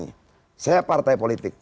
yang diawasi bukan partai politik